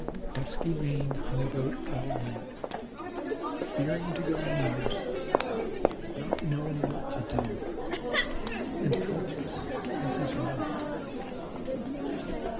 Duskymane hung about all night, fearing to go near, not knowing what to do, and helpless as his mother.